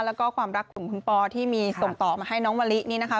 แล้วก็ความรักของคุณปอที่มีส่งต่อมาให้น้องมะลินี่นะคะ